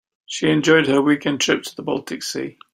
She enjoyed her weekend trip to the baltic sea.